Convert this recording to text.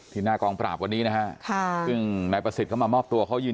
ธีมหน้ากองปราบวันนี้นะครับเพราะว่านายประสิทธิ์มามอบตัว